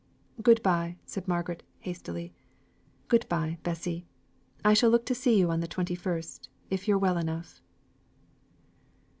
"Good bye!" said Margaret, hastily. "Good bye, Bessy! I shall look to see you on the twenty first, if you're well enough."